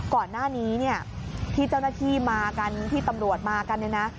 ก่อนหน้านี้ที่เจ้าหน้าที่มากันที่ตำรวจมากันนะ